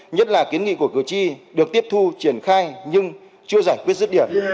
nhất là kiến nghị của cử tri được tiếp thu triển khai nhưng chưa giải quyết rứt điểm